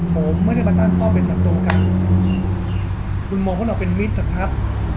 ผมไม่ได้มาตั้งป้องเป็นสัตว์ตูกันคุณมองของเราเป็นมิตรครับ